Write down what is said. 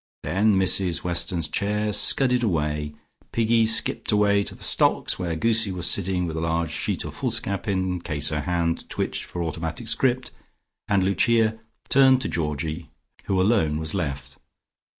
Then Mrs Weston's chair scudded away; Piggy skipped away to the stocks where Goosie was sitting with a large sheet of foolscap, in case her hand twitched for automatic script, and Lucia turned to Georgie, who alone was left.